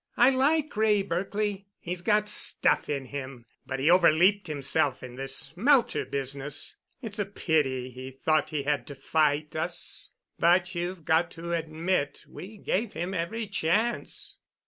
I like Wray, Berkely. He's got stuff in him, but he overleaped himself in this smelter business. It's a pity he thought he had to fight us, but you've got to admit we gave him every chance."